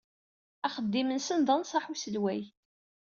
Axeddim-nsen d anṣaḥ n uselway.